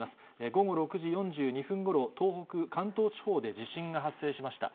午後６時４２分ごろ、東北、関東地方で地震が発生しました。